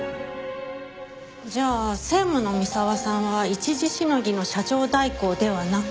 じゃあ専務の三澤さんは一時しのぎの社長代行ではなく。